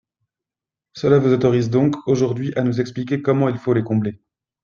Cela vous autorise donc aujourd’hui à nous expliquer comment il faut les combler.